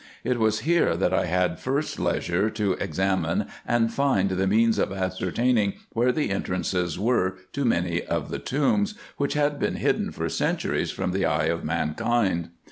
It was here that I had first leisure to examine and find the means of ascertaining where the entrances were to many of the tombs, which had been hidden for centuries from the eye of mankind.